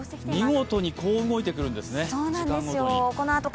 見事にこう動いてくるんですね、時間ごとに。